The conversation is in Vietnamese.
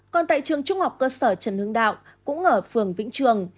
còn tại trường trung học cơ sở trần hương đạo cũng ở phường vĩnh trường